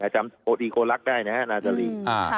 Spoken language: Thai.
จำอีโคลักษณ์ได้นะฮะนาตาลี